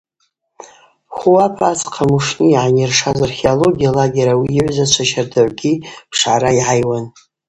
Хуап адзхъа Мушни йгӏанйыршаз археология лагер ауи йыгӏвзачва щардагӏвгьи пшгӏара йгӏайуан.